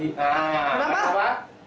nah main apa